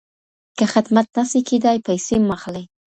که خدمت نه سي کيدای پيسې مه اخلئ.